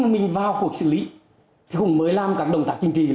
mình vào cuộc xử lý thì cũng mới làm các động tác chính trị